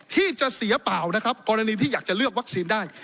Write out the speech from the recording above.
ที่จะเสียเปล่านะครับกรณีที่อยากจะเลือกวัคซีนได้